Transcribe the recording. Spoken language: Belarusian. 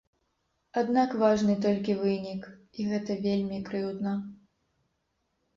Аднак важны толькі вынік, і гэта вельмі крыўдна.